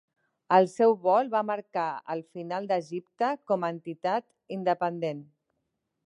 El seu vol va marcar el final d'Egipte com a entitat independent.